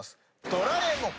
ドラえもん？